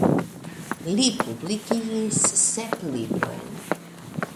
Li publikigis sep librojn.